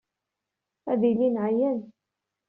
Ad ilin ɛyan.